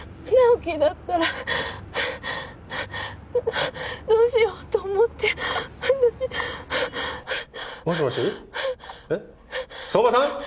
木だったらどうしようと思って私☎もしもしえっ相馬さん？